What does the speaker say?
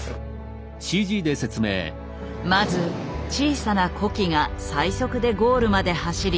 まず小さな子機が最速でゴールまで走り